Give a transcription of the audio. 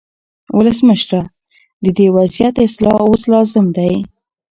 ولسمشره، د دې وضعیت اصلاح اوس لازم دی.